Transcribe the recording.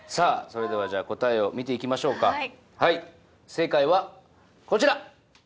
正解はこちら。